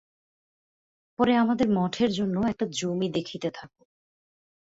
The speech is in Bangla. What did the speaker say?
পরে আমাদের মঠের জন্য একটা জমি দেখিতে থাক।